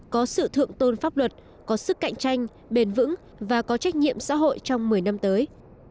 có sự thượng tôn pháp luật có sức cạnh tranh bền vững và có trách nhiệm xã hội trong một mươi năm tới